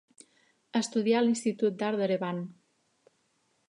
Estudià a l'Institut d'Art d'Erevan.